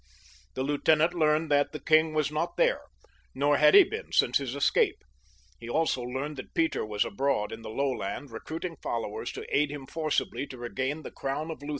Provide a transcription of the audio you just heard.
The lieutenant learned that the king was not there, nor had he been since his escape. He also learned that Peter was abroad in the lowland recruiting followers to aid him forcibly to regain the crown of Lutha.